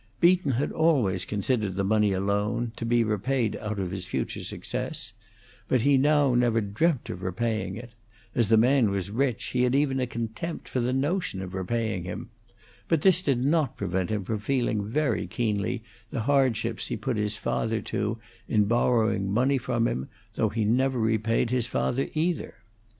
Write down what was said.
Beaton had always considered the money a loan, to be repaid out of his future success; but he now never dreamt of repaying it; as the man was rich, he had even a contempt for the notion of repaying him; but this did not prevent him from feeling very keenly the hardships he put his father to in borrowing money from him, though he never repaid his father, either.